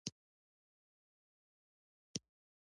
د مذهب په اړه هر بحث له سانسور سره مخ شي.